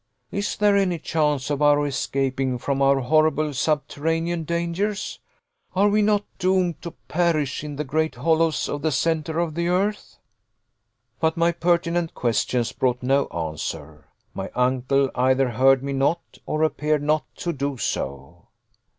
Is there any chance of our escaping from our horrible subterranean dangers? Are we not doomed to perish in the great hollows of the centre of the earth?" But my pertinent questions brought no answer. My uncle either heard me not, or appeared not to do so.